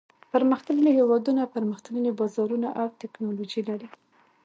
پرمختللي هېوادونه پرمختللي بازارونه او تکنالوجي لري.